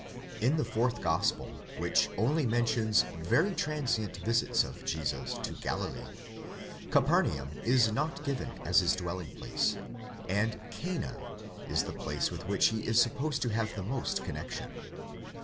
In the fourth gospel, which only mentions very transient visits of Jesus to Galilee, Capernaum is not given as his dwelling place, and Cana is the place with which he is supposed to have the most connexion.